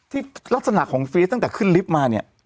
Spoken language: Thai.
ที่ลักษณะของเฟียสตั้งแต่ขึ้นลิฟต์มาเนี่ย